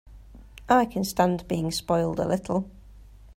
I can stand being spoiled a little.